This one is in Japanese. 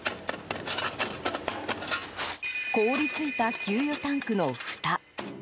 凍り付いた給油タンクのふた。